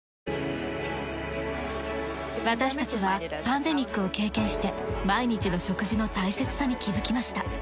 私たちはパンデミックを経験して毎日の食事の大切さに気づきました。